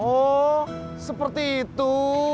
oh seperti itu